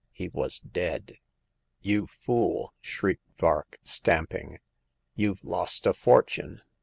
He was dead. " You fool! " shrieked Vark, stamping. YouVe lost a fortune